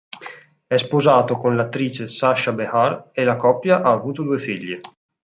È sposato con l'attrice Sasha Behar e la coppia ha avuto due figli.